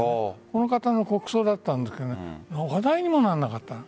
この方の国葬だったんだけど話題にもならなかった。